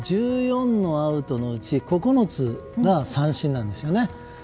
１４のアウトのうち９つが三振なんですよね。